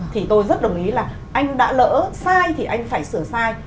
thì tôi rất đồng ý là anh đã lỡ sai thì anh phải sửa sai